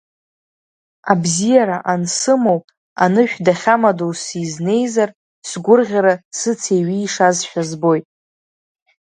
Абзиара ансымоу, анышә дахьамадоу сизнеизар, сгәырӷьара сыцеиҩишазшәа збоит.